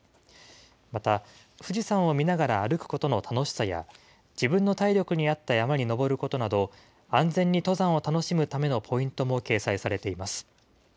また、富士山を見ながら歩くことの楽しさや、自分の体力に合った山に登ることなど、安全に登山を楽しむためのポイントも掲載されています。